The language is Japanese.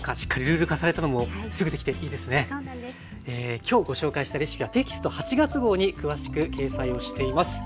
今日ご紹介したレシピはテキスト８月号に詳しく掲載をしています。